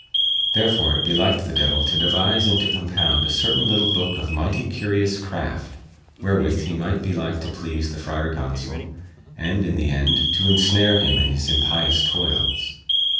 Therefore it beliked the devil to devise and to compound a certain little booke of mighty curious craft, wherewith he might be like to please the Friar Gonsol and, in the end, to ensnare him in his impious toils.